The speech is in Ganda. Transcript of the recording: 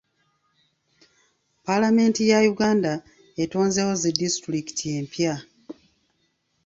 Paalamenti ya Uganda etonzeewo zi disitulikiti empya.